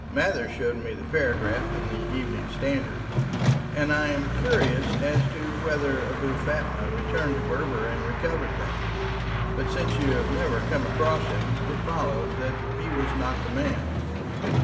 Mather showed me the paragraph in the Evening Standard. And I am curious as to whether Abou Fatma returned to Berber and recovered them. But since you have never come across him, it follows that he was not the man."